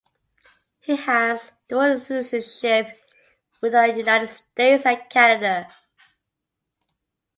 He has dual citizenship with the United States and Canada.